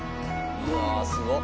うわすごっ！